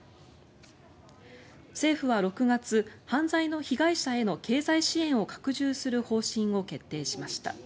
政府は６月犯罪の被害者への経済支援を拡充する方針を決定しました。